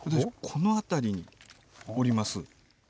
この辺りにおります。